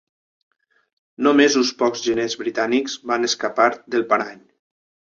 Només uns pocs genets britànics van escapar del parany.